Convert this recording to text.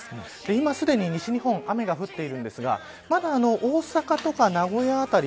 今すでに西日本雨が降っているんですがまだ大阪や名古屋あたり